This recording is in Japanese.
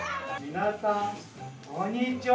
皆さん、こんにちは。